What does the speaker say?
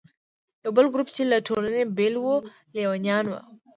یو بل ګروپ چې له ټولنې بېل و، لیونیان وو.